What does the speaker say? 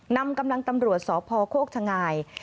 นำกำลังตำรวจสพโคกชะงาย